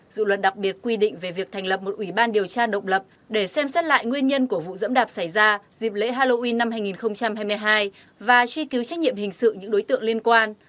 dự luật đặc biệt quy định về việc thành lập một ủy ban điều tra độc lập để xem xét lại nguyên nhân của vụ dẫm đạp xảy ra dịp lễ halloween năm hai nghìn hai mươi hai và truy cứu trách nhiệm hình sự những đối tượng liên quan